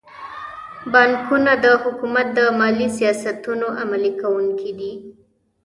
بانکونه د حکومت د مالي سیاستونو عملي کوونکي دي.